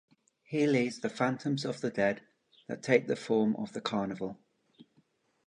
He leads "the phantoms of the dead" that take the form of the Carnival.